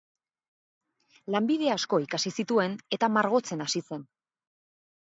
Lanbide asko ikasi zituen eta margotzen hasi zen.